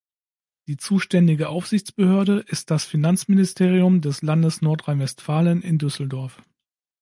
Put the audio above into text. Die zuständige Aufsichtsbehörde ist das Finanzministerium des Landes Nordrhein-Westfalen in Düsseldorf.